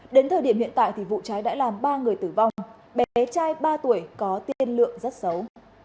đến thời điểm hiện tại thì vụ cháy đã làm ba người tử vong bé trai ba tuổi có tiên lượng rất xấu